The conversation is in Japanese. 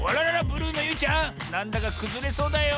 ブルーのゆいちゃんなんだかくずれそうだよ。